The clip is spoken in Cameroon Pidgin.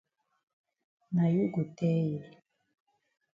Na you go tell yi.